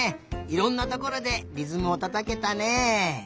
いろんなところでりずむをたたけたね。